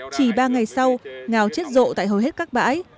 chỉ ba ngày sau ngao chết rộ tại hầu hết các bãi